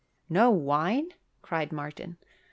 "No wine?" cried Martin.